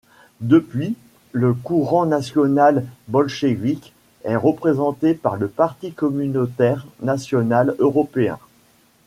Depuis, le courant national-bolchévique est représenté par le Parti communautaire national-européen.